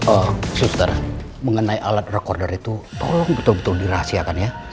oh suster mengenai alat recorder itu tolong betul betul dirahasiakan ya